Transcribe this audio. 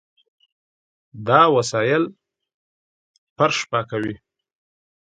دا وسایل فرش پاکوي.